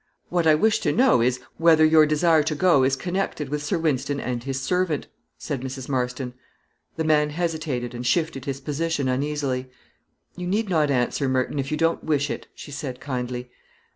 "What I wish to know is, whether your desire to go is connected with Sir Wynston and his servant?" said Mrs. Marston. The man hesitated, and shifted his position uneasily. "You need not answer, Merton, if you don't wish it," she said kindly.